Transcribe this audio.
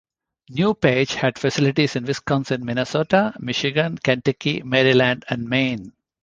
NewPage had facilities in Wisconsin, Minnesota, Michigan, Kentucky, Maryland and Maine.